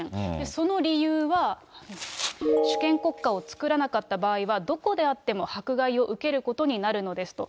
その理由は、主権国家を作らなかった場合は、どこであっても迫害を受けることになるのですと。